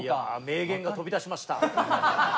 名言が飛び出しました。